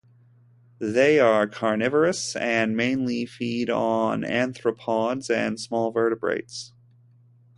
They are carnivorous, and mainly feed on arthropods and small vertebrates.